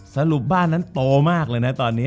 จบการโรงแรมจบการโรงแรม